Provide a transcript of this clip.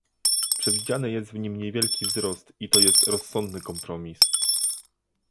Przewidziany jest w nim niewielki wzrost i to jest rozsądny kompromis